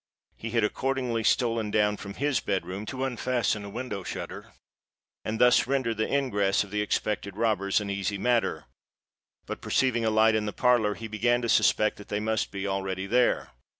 He had accordingly stolen down from his bed room to unfasten a window shutter, and thus render the ingress of the expected robbers an easy matter: but perceiving a light in the parlour, he began to suspect that they must be already there.